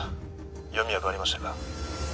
読みは変わりましたか？